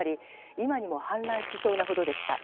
今にも氾濫しそうなほどでした。